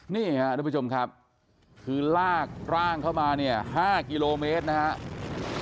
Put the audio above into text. นี่ครับทุกผู้ชมครับคือลากร่างเข้ามาเนี่ย๕กิโลเมตรนะครับ